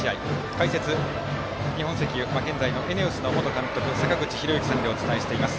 解説、日本石油現在のＥＮＥＯＳの元監督、坂口裕之さんでお伝えしています。